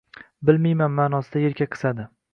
Bilmiman manosida yelka qisadi...